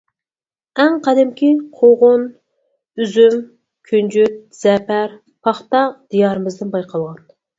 ئەڭ قەدىمكى قوغۇن، ئۈزۈم كۈنجۈت، زەپەر، پاختا دىيارىمىزدىن بايقالغان.